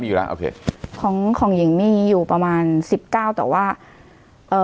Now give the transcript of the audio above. มีอยู่แล้วโอเคของของหญิงมีอยู่ประมาณสิบเก้าแต่ว่าเอ่อ